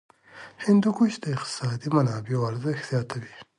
هندوکش د اقتصادي منابعو ارزښت زیاتوي.